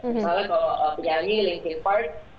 misalnya kalau penyanyi linky park